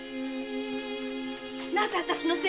なぜあたしのせいなのさ？